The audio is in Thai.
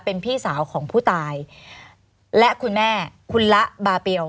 เป็นพี่สาวของผู้ตายและคุณแม่คุณละบาเปลว